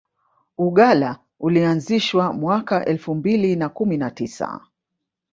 uggala ilianzishwa mwaka elfu mbili na kumi na tisa